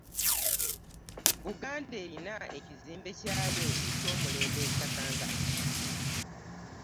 Buganda erina ekizimbe kyayo eky'omulembe e Kasangati.